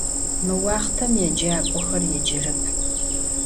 Mı vuaxhtem yêcak'oxer yêcerep.